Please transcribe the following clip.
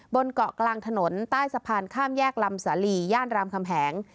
บนเกาะกลางถนนใต้สะพานข้ามแยกลำสาลีย่านรามคำแหง